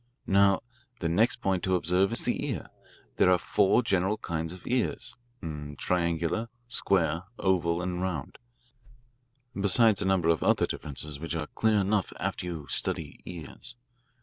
Now the next point to observe is the ear. There are four general kinds of ears triangular, square, oval, and round, besides a number of other differences which are clear enough after you study ears.